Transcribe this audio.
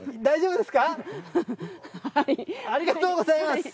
大丈夫ですか。